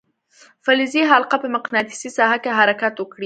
فلزي حلقه په مقناطیسي ساحه کې حرکت وکړي.